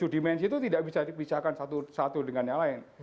tujuh dimensi itu tidak bisa dipisahkan satu dengan yang lain